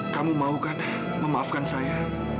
kamu mau kan memaafkan saya